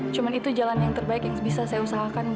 cuma itu jalan yang terbaik yang bisa saya usahakan